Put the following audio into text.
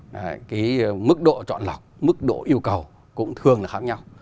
đấy cái mức độ chọn lọc mức độ yêu cầu cũng thường là khác nhau